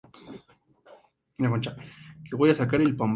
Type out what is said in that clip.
Genghis Khan empieza a tomar el mundo con sus hordas mongoles.